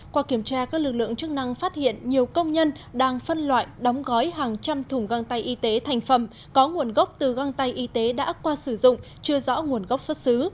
qua kiểm tra các lực lượng chức năng phát hiện nhiều công nhân đang phân loại đóng gói hàng trăm thùng găng tay y tế thành phẩm có nguồn gốc từ găng tay y tế đã qua sử dụng chưa rõ nguồn gốc xuất xứ